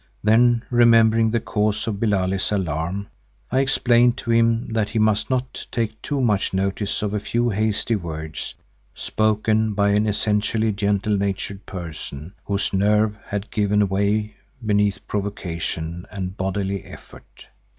Then, remembering the cause of Billali's alarm, I explained to him that he must not take too much notice of a few hasty words spoken by an essentially gentle natured person whose nerve had given way beneath provocation and bodily effort.